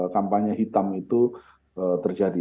kampanye hitam itu terjadi